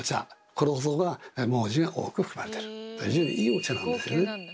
この方が毛茸が多く含まれてる非常にいいお茶なんですよね。